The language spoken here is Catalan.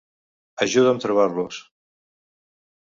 Ajuda'm trobar-los.